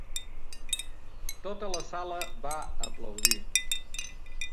Tota la sala va aplaudir.